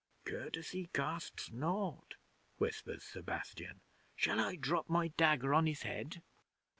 '"Courtesy costs naught," whispers Sebastian. "Shall I drop my dagger on his head?"